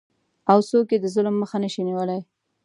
او څوک یې د ظلم مخه نشي نیولی؟